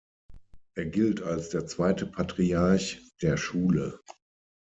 Er gilt als der zweite Patriarch der Schule.